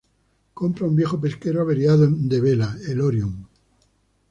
Compra un viejo pesquero averiado de vela, el Orion.